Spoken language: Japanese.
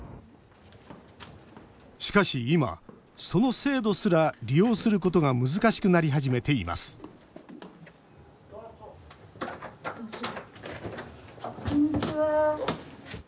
しかし今その制度すら利用することが難しくなり始めていますこんにちは。